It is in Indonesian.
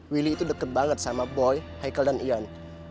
willy itu deket banget sama boy haikal dan ian